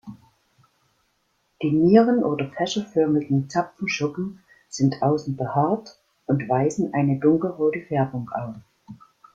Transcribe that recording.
Die nieren- oder fächerförmigen Zapfenschuppen sind außen behaart und weisen eine dunkelrote Färbung auf.